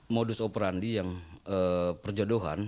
modus operandi yang perjodohan